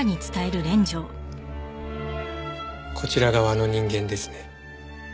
こちら側の人間ですね。